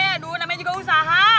aduh namanya juga usaha